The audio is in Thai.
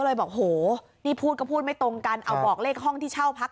บอกโหนี่พูดก็พูดไม่ตรงกันเอาบอกเลขห้องที่เช่าพัก